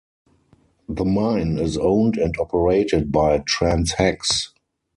The mine is owned and operated by Trans Hex.